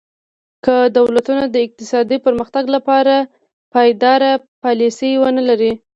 که دولتونه د اقتصادي پرمختګ لپاره پایداره پالیسي ونه لري.